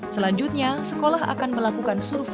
selanjutnya sekolah akan melakukan survei